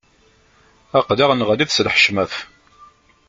Aql-aɣ neɣli-d s lḥecmat.